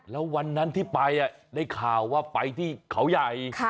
แล้ววันนั้นที่ไปได้ข่าวว่าไปที่เขาใหญ่